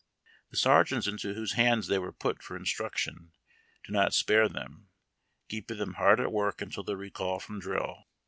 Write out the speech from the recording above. The sergeants into whose hands they were put for instruction did not spare them, keeping them hard at work until the recall from drill.